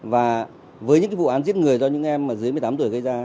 và với những vụ án giết người do những em mà dưới một mươi tám tuổi gây ra